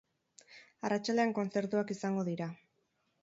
Arratsaldean kontzertuak izango dira.